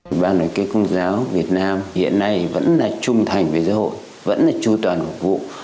ủy ban đoàn kết công giáo việt nam hiện nay vẫn là trung thành với giáo hội vẫn là tru toàn hợp vụ